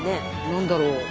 何だろう。